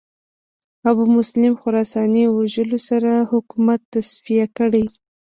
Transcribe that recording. ابومسلم خراساني وژلو سره حکومت تصفیه کړ